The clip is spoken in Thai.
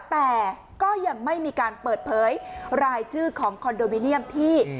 แต่ก็ยังไม่มีการเปิดเผยรายชื่อของคอนโดมิเนียมที่